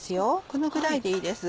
このぐらいでいいです。